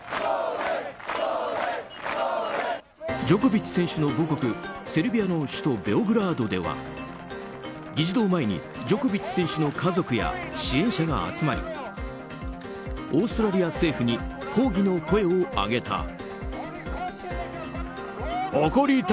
ジョコビッチ選手の母国セルビアの首都ベオグラードでは議事堂前にジョコビッチ選手の家族や支援者が集まりオーストラリア政府に抗議の声を上げた。